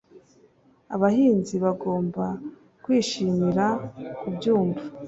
Abahinzi bagomba kwishimira kubyumva